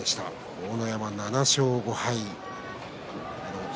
豪ノ山、７勝５敗です。